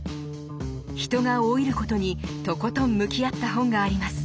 「人が老いること」にとことん向き合った本があります。